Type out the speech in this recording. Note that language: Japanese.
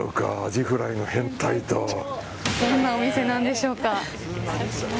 どんなお店なんでしょうか。